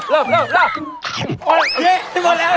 บอกแล้วอย่างนี้